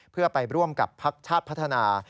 เพื่อไปร่วมกับพักชาติพัฒนา